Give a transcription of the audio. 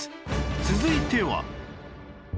続いては